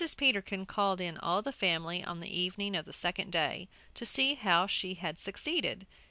Peterkin called in all the family on the evening of the second day to see how she had succeeded.